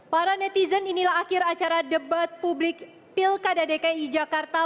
para netizen inilah akhir acara debat publik pilkada dki jakarta